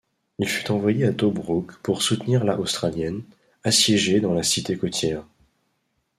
Il fut envoyé à Tobrouk pour soutenir la australienne, assiégée dans la cité côtière.